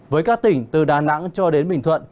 với các tỉnh từ đà nẵng cho đến bình thuận